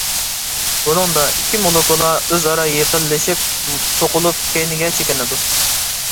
بۇنىڭدا ئىككى مولېكۇلا ئۆزئارا يېقىنلىشىپ، سوقۇلۇپ، كەينىگە چېكىنىدۇ.